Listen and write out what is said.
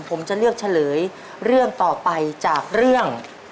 ผมจะเลือกเฉลยเรื่องต่อไปจากเรื่อง